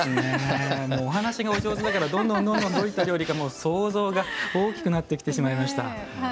お話がお上手だからどんどんどういう料理か想像が大きくなってきてしまいました。